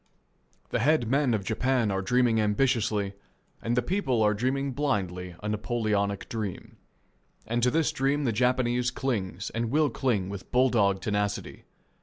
The head men of Japan are dreaming ambitiously, and the people are dreaming blindly, a Napoleonic dream. And to this dream the Japanese clings and will cling with bull dog tenacity.